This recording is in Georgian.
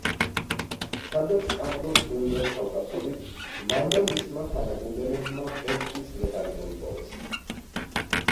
სადაც კარლოს დუნგას თავკაცობით, მან და მისმა თანაგუნდელებმა ვერცხლის მედალი მოიპოვეს.